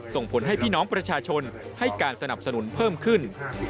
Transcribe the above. ส่งผลให้พี่น้องประชาชนให้การสนับสนุนเพิ่มขึ้น